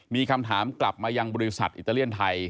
มีคำถามกลับมายังบริษัทอิตาเลียนไทย